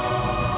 aku akan menunggu